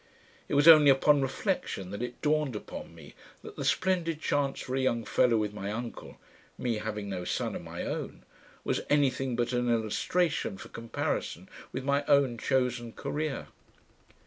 It was only upon reflection that it dawned upon me that the splendid chance for a young fellow with my uncle, "me, having no son of my own," was anything but an illustration for comparison with my own chosen career.